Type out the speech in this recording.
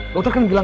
dokter kan bilang